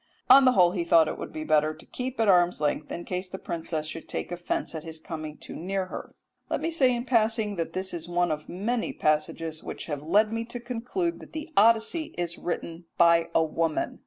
On the whole he thought it would be better to keep at arm's length, in case the princess should take offence at his coming too near her." Let me say in passing that this is one of many passages which have led me to conclude that the Odyssey is written by a woman.